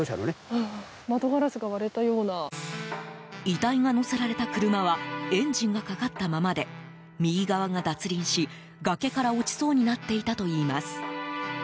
遺体が乗せられた車はエンジンがかかったままで右側が脱輪し、崖から落ちそうになっていたといいます。